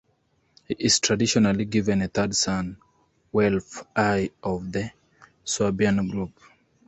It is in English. He is traditionally given a third son, Welf I of the Swabian group.